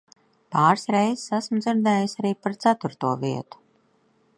Pāris reizes esmu dzirdējis arī par ceturto vietu.